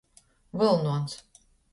Vylnons.